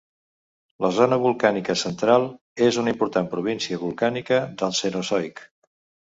La zona volcànica central és una important província volcànica del cenozoic.